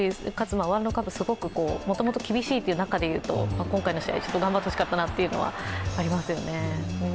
ワールドカップ、もともと厳しいという中で言うと今回の試合、ちょっと頑張ってほしかったなというのはありますよね。